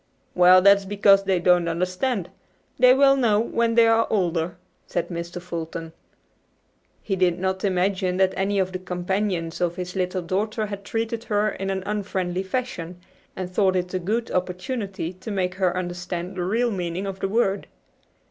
"Well, that is because they don't understand. They will know when they are older," said Mr. Fulton. He did not imagine that any of the companions of his little daughter had treated her in an unfriendly fashion, and thought it a good opportunity to make her understand the real meaning of the word.